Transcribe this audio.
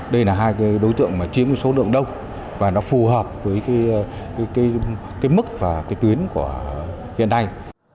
đây là hai đối tượng chiếm số lượng đông và nó phù hợp với mức và tuyến của hiện nay